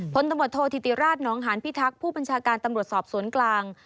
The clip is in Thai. ตำรวจโทษธิติราชนองหานพิทักษ์ผู้บัญชาการตำรวจสอบสวนกลาง